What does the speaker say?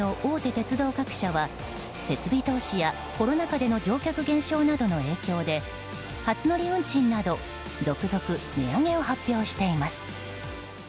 鉄道各社は設備投資やコロナ禍での乗客減少などの影響で初乗り運賃など続々値上げを発表しています。